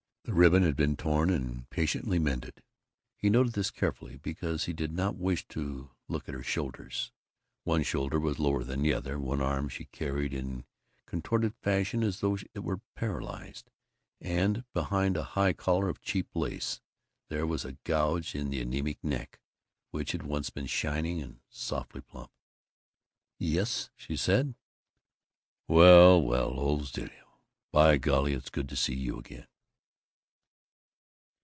The ribbon had been torn and patiently mended. He noted this carefully, because he did not wish to look at her shoulders. One shoulder was lower than the other; one arm she carried in contorted fashion, as though it were paralyzed; and behind a high collar of cheap lace there was a gouge in the anemic neck which had once been shining and softly plump. "Yes?" she said. "Well, well, old Zilla! By golly, it's good to see you again!"